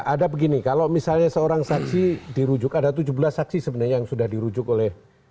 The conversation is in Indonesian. ada begini kalau misalnya seorang saksi dirujuk ada tujuh belas saksi sebenarnya yang sudah dirujuk oleh